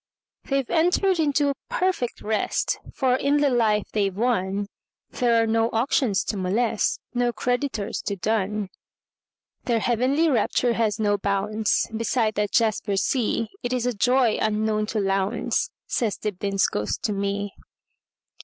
"They 've entered into perfect rest; For in the life they 've wonThere are no auctions to molest, No creditors to dun. Their heavenly rapture has no boundsBeside that jasper sea; It is a joy unknown to Lowndes,"Says Dibdin's ghost to me.